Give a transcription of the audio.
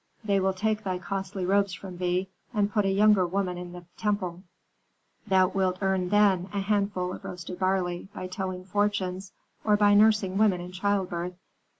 They will take thy costly robes from thee, and put a younger woman in the temple; thou wilt earn, then, a handful of roasted barley by telling fortunes, or by nursing women in childbirth.